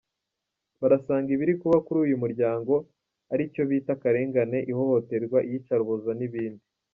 Barasanga ibiri kuba kuri uyu muryango ari icyo bita ‘akarengane, ihohoterwa, iyicarubozo n’ibindi.’